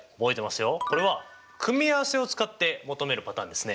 これは組合せを使って求めるパターンですね。